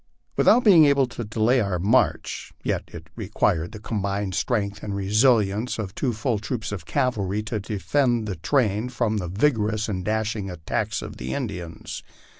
Without being able to delay our march, yet it required the combined strength and resistance of two full troops of cavalry to defend the train from the vigorous and dashing attacks of the Indians.